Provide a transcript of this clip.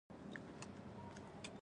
چې زه ستا شم ته زما شې